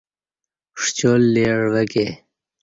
ݜیال دے عوہ ک ے